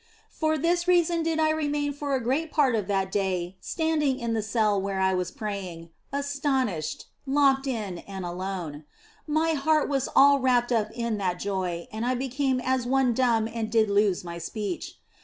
For this reason did I remain for a great part of that day standing in the cell where I was praying, 157 158 THE BLESSED ANGELA astonished, locked in and alone. My heart was all wrapped up in that joy and I became as one dumb and did lose my speech.